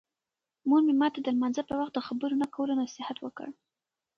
مور مې ماته د لمانځه په وخت د خبرو نه کولو نصیحت وکړ.